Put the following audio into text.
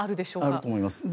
あると思います。